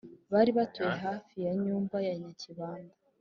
bari batuye hafi ya nyumba ya nyakibanda